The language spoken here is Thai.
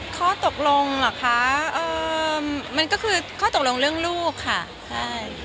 ข้อตกลงเหรอคะมันก็คือข้อตกลงเรื่องลูกค่ะใช่